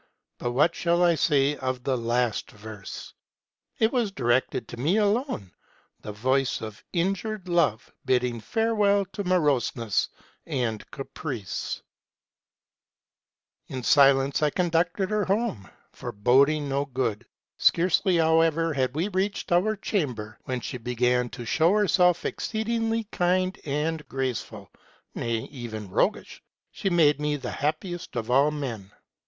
But what shall I say of the last verse? It was directed to me alone, the voice of injured love bidding fare well to moroseness and caprice. MEISTER'S TRAVELS. 241 "In silence I conducted her home, foreboding no good. Scarcely, however, had we reached our chamber, when she began to show herself exceedingly kind and graceful, ŌĆö nay, even roguish : she made me the happiest of all men.